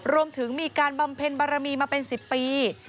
รวมถึงมีการบำเพ็ญบารมีมาเป็น๑๐ปี